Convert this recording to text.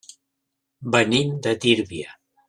Venim de Tírvia.